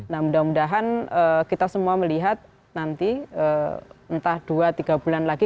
nah mudah mudahan kita semua melihat nanti entah dua tiga bulan lagi